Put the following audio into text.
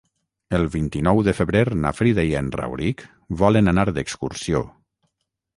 El vint-i-nou de febrer na Frida i en Rauric volen anar d'excursió.